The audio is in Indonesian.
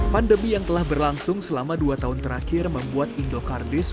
pandemi yang telah berlangsung selama dua tahun terakhir membuat indokardis